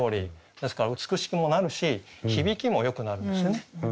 ですから美しくもなるし響きもよくなるんですよね。